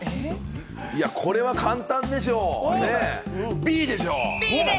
これは簡単でしょう、Ｂでしょう。